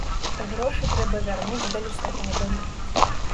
Грошы трэба вярнуць да лістапада.